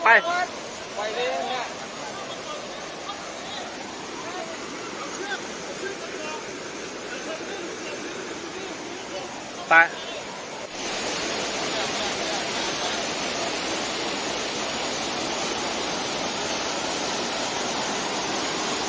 เฮ้ยเฮ้ย